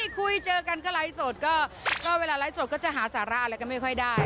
คุยเจอกันก็ไลฟ์สดก็เวลาไลฟ์สดก็จะหาสาระอะไรก็ไม่ค่อยได้